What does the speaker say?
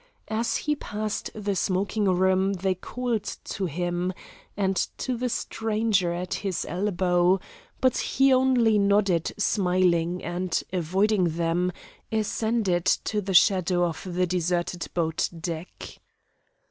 As he passed the smoking room they called to him, and to the stranger at his elbow, but he only nodded smiling and, avoiding them, ascended to the shadow of the deserted boat deck.